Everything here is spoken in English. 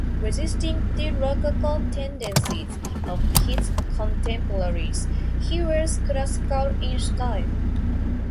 Resisting the rococo tendencies of his contemporaries, he was classical in style.